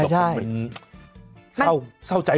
เฮ้ย